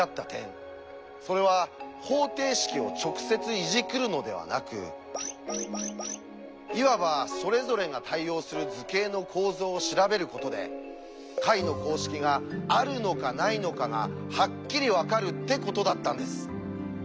それは方程式を直接いじくるのではなくいわばそれぞれが対応する図形の構造を調べることで解の公式があるのかないのかがハッキリ分かるってことだったんです。